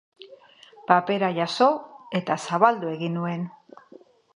Papera jaso, eta zabaldu egin nuen.